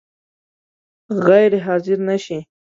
غیر حاضر نه شې؟